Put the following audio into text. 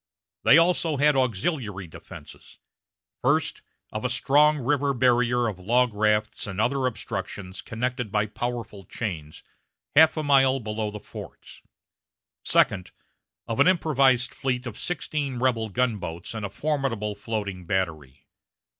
They also had auxiliary defenses: first, of a strong river barrier of log rafts and other obstructions connected by powerful chains, half a mile below the forts; second, of an improvised fleet of sixteen rebel gunboats and a formidable floating battery.